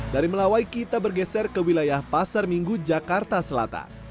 dari melawai kita bergeser ke wilayah pasar minggu jakarta selatan